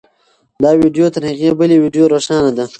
دا ویډیو تر هغې بلې ویډیو روښانه ده.